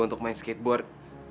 untuk main skateboard